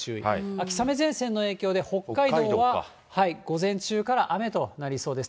秋雨前線の影響で、北海道は午前中から雨となりそうです。